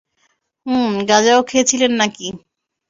হুমম গাঁজাও খেয়েছিলেন নাকি?